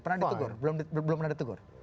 pernah ditegur belum pernah ditegur